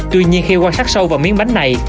tuy nhiên khi quan sát sâu vào miếng bánh này